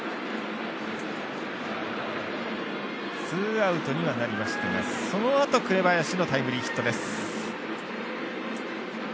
ツーアウトにはなりましたがそのあと紅林のタイムリーヒットです。